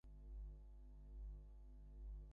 সেই লোকের ভিড়ই আমার যুদ্ধের ঘোড়া।